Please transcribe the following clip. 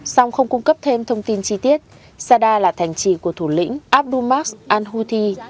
sau không cung cấp thêm thông tin chi tiết sadda là thành trì của thủ lĩnh abdul masr al houthi